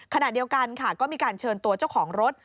ขณะเดียวกันค่ะก็มีการเชิญตัวเจ้าของรถ